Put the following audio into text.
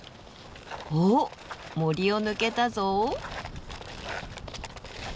おっ森を抜けたぞ。